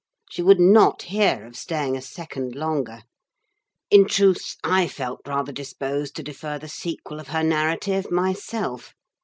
She would not hear of staying a second longer: in truth, I felt rather disposed to defer the sequel of her narrative myself.